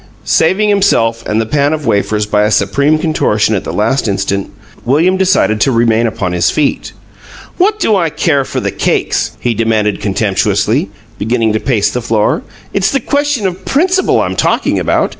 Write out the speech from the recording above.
Saving himself and the pan of wafers by a supreme contortion at the last instant, William decided to remain upon his feet. "What do I care for the cakes?" he demanded, contemptuously, beginning to pace the floor. "It's the question of principle I'm talking about!